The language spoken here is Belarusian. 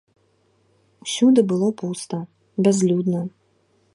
Усюды было пуста, бязлюдна.